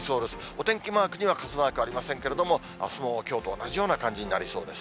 お天気マークには傘マークありませんけれども、あすもきょうと同じような感じになりそうです。